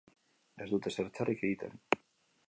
Ez dut ezer txarrik egiten.